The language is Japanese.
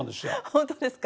本当ですか？